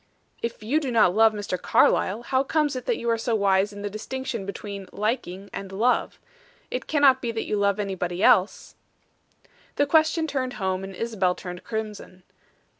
"If you do not love Mr. Carlyle, how comes it that you are so wise in the distinction between 'liking' and 'love?' It cannot be that you love anybody else?" The question turned home, and Isabel turned crimson.